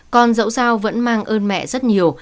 con dẫu sao vẫn mang ơn mẹ rất nhiều